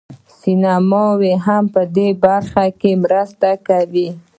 سمینارونه هم په دې برخه کې مرسته کوي.